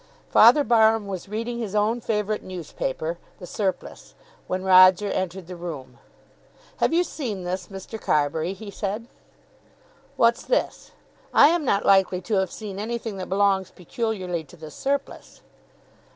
Father Barham was reading his own favourite newspaper, "The Surplice," when Roger entered the room. "Have you seen this, Mr. Carbury?" he said. "What's this? I am not likely to have seen anything that belongs peculiarly to 'The Surplice.'"